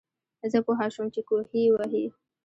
زۀ پوهه شوم چې کوهے وهي